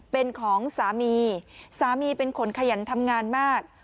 เป็นของสามีสามีเป็นคนขยันทำงานมาก